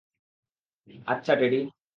আচ্ছা, টেডি।